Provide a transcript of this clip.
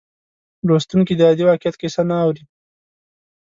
لوستونکی د عادي واقعیت کیسه نه اوري.